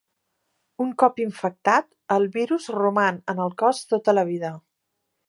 Un cop infectat, el virus roman en el cos tota la vida.